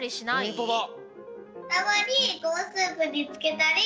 ほんとだ。